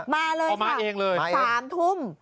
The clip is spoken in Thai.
มาเลยค่ะเอามาเองเลยมาเองสามทุ่ม